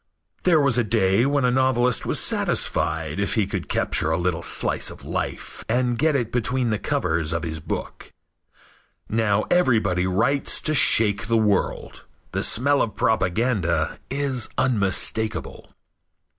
There was a day when a novelist was satisfied if he could capture a little slice of life and get it between the covers of his book. Now everybody writes to shake the world. The smell of propaganda is unmistakable.